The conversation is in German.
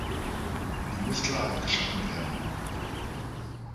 Hier muss Klarheit geschaffen werden.